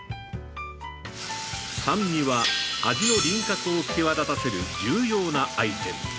酸味は、味の輪郭を際立たせる重要なアイテム。